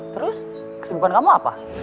terus kesibukan kamu apa